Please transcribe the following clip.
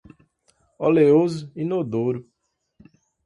oleoso, inodoro